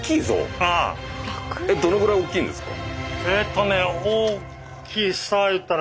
どのぐらい大きいんですか？